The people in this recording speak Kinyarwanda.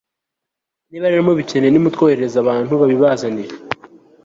niba rero mubikeneye, nimutwoherereze abantu babibazanire